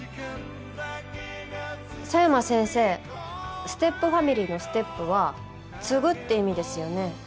佐山先生ステップファミリーの「ステップ」は「継ぐ」って意味ですよね？